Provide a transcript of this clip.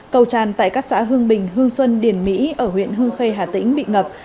cầu tràn tại các xã hương bình hương xuân điển mỹ ở huyện hương khê hà tĩnh bị ngập